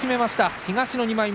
東の２枚目。